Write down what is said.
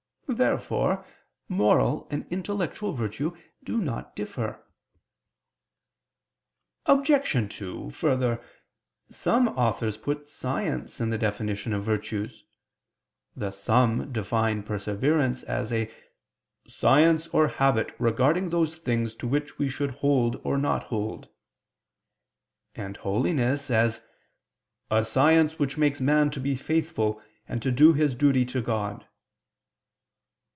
Therefore moral and intellectual virtue do not differ. Obj. 2: Further, some authors put science in the definition of virtues: thus some define perseverance as a "science or habit regarding those things to which we should hold or not hold"; and holiness as "a science which makes man to be faithful and to do his duty to God."